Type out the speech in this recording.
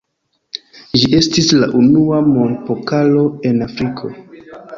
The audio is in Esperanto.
Ĝi estis la unua mondpokalo en Afriko.